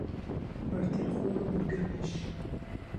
بەرتیل خۆر و گورگەمێش